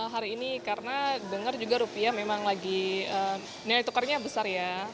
hari ini karena dengar juga rupiah memang lagi nilai tukarnya besar ya